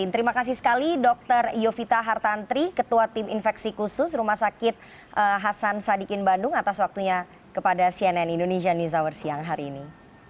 terima kasih sekali dr yovita hartantri ketua tim infeksi khusus rumah sakit hasan sadikin bandung atas waktunya kepada cnn indonesia news hour siang hari ini